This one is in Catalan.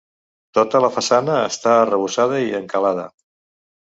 Tota la façana està arrebossada i encalada.